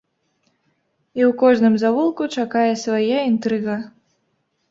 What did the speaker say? І ў кожным завулку чакае свая інтрыга.